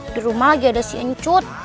di rumah lagi ada si encut